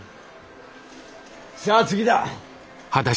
さあ次だ。